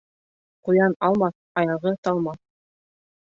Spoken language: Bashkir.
Ҡуян алмаҫ, аяғы талмаҫ.